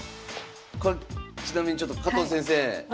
これちなみにちょっと加藤先生